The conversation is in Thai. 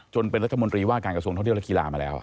เป็นรัฐมนตรีว่าการกระทรวงท่องเที่ยวและกีฬามาแล้ว